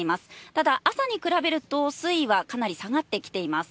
ただ、朝に比べると、水位はかなり下がってきています。